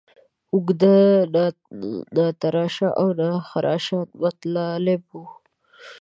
اوږده، ناتراشه او ناخراشه مطالب وو.